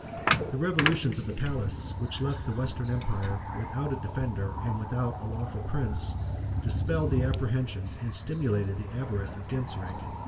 The revolutions of the palace, which left the Western empire without a defender, and without a lawful prince, dispelled the apprehensions, and stimulated the avarice, of Genseric.